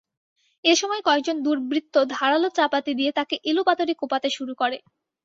এ সময় কয়েকজন দুর্বৃত্ত ধারালো চাপাতি দিয়ে তাঁকে এলোপাতাড়ি কোপাতে শুরু করে।